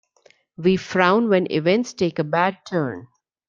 We frown when events take a bad turn.